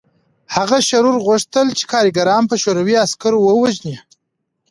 هغه شرور غوښتل چې کارګران په شوروي عسکرو ووژني